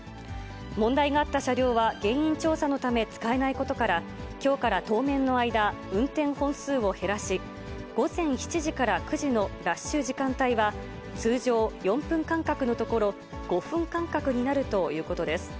問題があった車両は原因調査のため使えないことから、きょうから当面の間、運転本数を減らし、午前７時から９時のラッシュ時間帯は、通常４分間隔のところ、５分間隔になるということです。